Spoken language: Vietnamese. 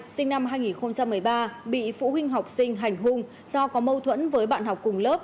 sinh năm hai nghìn một mươi ba bị phụ huynh học sinh hành hung do có mâu thuẫn với bạn học cùng lớp